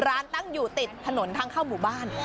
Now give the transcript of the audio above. ร้านตั้งอยู่ติดถนนทางเข้าหมู่บ้าน